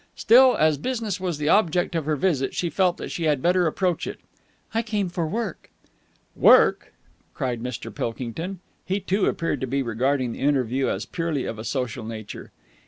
Still, as business was the object of her visit, she felt that she had better approach it. "I came for work." "Work!" cried Mr. Pilkington. He, too, appeared to be regarding the interview as purely of a social nature.